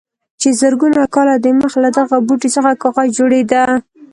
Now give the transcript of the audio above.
چې زرګونه کاله دمخه له دغه بوټي څخه کاغذ جوړېده.